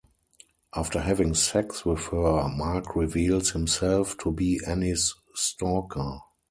After having sex with her, Mark reveals himself to be Annie's stalker.